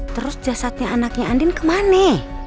terus jasadnya anaknya andin kemana